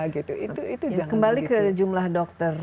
kembali ke jumlah dokter